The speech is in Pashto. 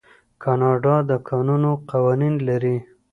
کاناډا د کانونو قوانین لري.